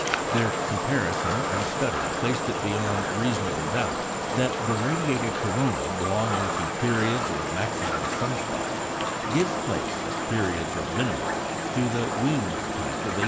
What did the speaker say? Their comparison and study placed it beyond reasonable doubt that the radiated corona belonging to periods of maximum sun spots gives place, at periods of minimum, to the "winged" type of 1878.